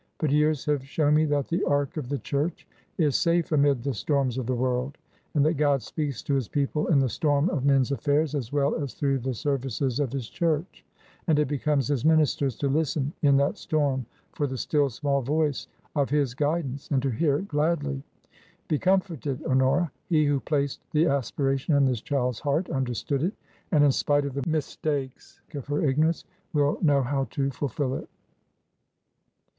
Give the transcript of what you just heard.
But years have shown me that the Ark of the church is safe amid the storms of the world, and that God speaks to His people in the storm of men's affairs as well as through the services of His church. And it becomes His ministers to listen in that storm for * the still, small voice' of His guidance and to hear it gladly. Be comforted, Honora. He who placed the aspiration in this child's heart understood it, and in spite of the mistakes of her ignorance, will know how to ful fil it."